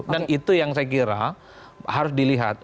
dan itu yang saya kira harus dilihat